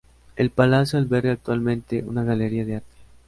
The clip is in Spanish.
El palacio alberga actualmente una galería de arte.